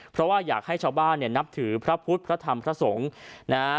เพราะว่าอยากให้ชาวบ้านเนี่ยนับถือพระพุทธพระธรรมพระสงฆ์นะฮะ